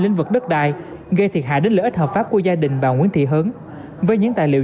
lĩnh vực đất đai gây thiệt hại đến lợi ích hợp pháp của gia đình bà nguyễn thị hớn với những tài liệu